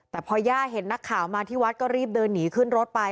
แต่พอย่าเห็นนักข่าวมาที่วัดก็รีบเดินหนีขึ้นรถไป